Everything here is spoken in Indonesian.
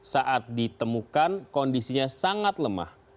saat ditemukan kondisinya sangat lemah